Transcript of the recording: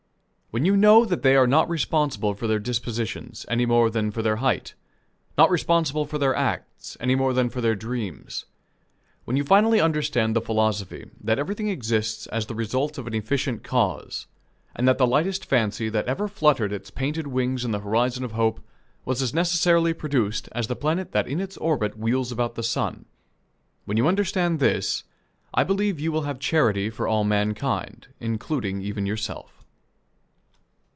When you know that they are not responsible for their dispositions, any more than for their height; not responsible for their acts, any more than for their dreams; when you finally understand the philosophy that everything exists as the result of an efficient cause, and that the lightest fancy that ever fluttered its painted wings in the horizon of hope was as necessarily produced as the planet that in its orbit wheels about the sun when you understand this, I believe you will have charity for all mankind including even yourself.